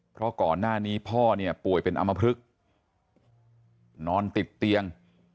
เพราะก่อนหน้านี้พ่อเนี่ยป่วยเป็นอมพลึกนอนติดเตียง